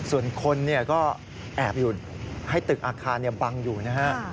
ส่วนคนก็แอบอยู่ให้ตึกอาคารบังอยู่นะฮะ